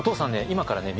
今からね